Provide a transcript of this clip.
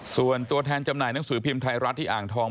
ส่วนตัวแทนจำหน่ายหนังสือพิมพ์ไทยรัฐที่อ่างทอง